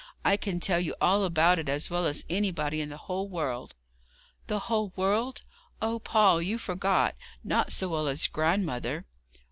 I can tell you all about it as well as anybody in the whole world.' 'The whole world! Oh, Paul, you forgot. Not so well as my grandmother.'